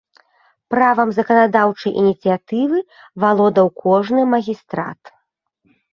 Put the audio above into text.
Правам заканадаўчай ініцыятывы валодаў кожны магістрат.